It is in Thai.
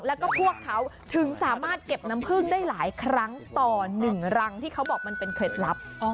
แล้วก็พวกเขาถึงสามารถเก็บน้ำพึ่งได้หลายครั้งต่อ๑รังที่เขาบอกมันเป็นเคล็ดลับ